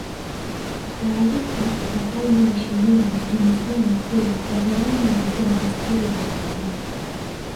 Taarifa za karne ya ishirini zinasema kuwa Wazaramo walikuwa na desturi za pekee